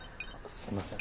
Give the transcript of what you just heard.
すいません。